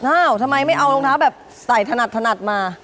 ทำไมไม่เอารองเท้าแบบใส่ถนัดมา